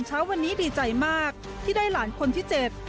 เช้าวันนี้ดีใจมากที่ได้หลานคนที่เจ็ด